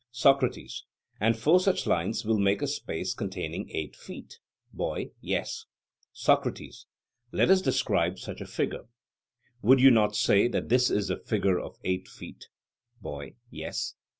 SOCRATES: And four such lines will make a space containing eight feet? BOY: Yes. SOCRATES: Let us describe such a figure: Would you not say that this is the figure of eight feet? BOY: Yes.